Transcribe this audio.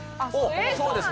そうですか。